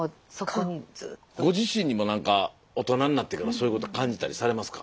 ご自身にも何か大人になってからそういうこと感じたりされますか。